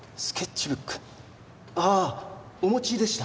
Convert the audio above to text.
ああお持ちでした。